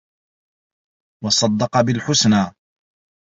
وَصَدَّقَ بِالحُسنى